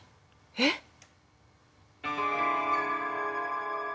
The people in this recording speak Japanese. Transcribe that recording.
えっ？